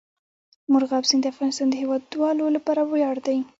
مورغاب سیند د افغانستان د هیوادوالو لپاره ویاړ دی.